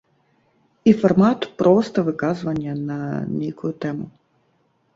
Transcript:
І фармат проста выказвання на нейкую тэму.